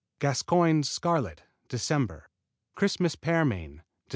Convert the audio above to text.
Gascoigne's Scarlet Dec. Christmas Pearmain Dec.